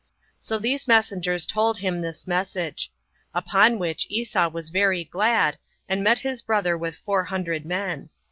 So these messengers told him this message. Upon which Esau was very glad, and met his brother with four hundred men.